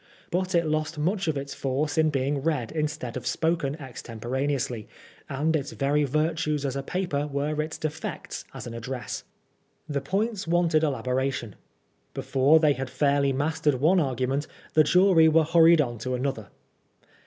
But it lost much of its force in being read instead of spoken extemporaneously, and its very virtues as a paper were its defects as an address. The points wanted elaboration. Before they had fairly mastered one argu ment, the jury were hurried on to another.